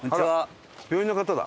病院の方だ。